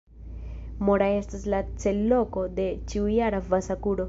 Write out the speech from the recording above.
Mora estas la cel-loko de la ĉiu-jara Vasa-kuro.